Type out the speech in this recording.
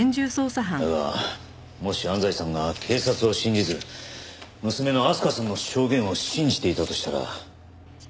だがもし安西さんが警察を信じず娘の明日香さんの証言を信じていたとしたら。